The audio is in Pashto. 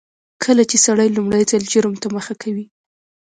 کله چې سړی لومړي ځل جرم ته مخه کوي